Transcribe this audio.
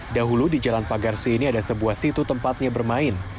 dahulu di jalan pagarsi ini ada sebuah situ tempatnya bermain